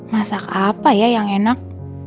masak apa ya yang enak